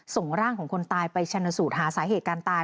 ส่งร่างของคนตายไปชนสูตรหาสาเหตุการตาย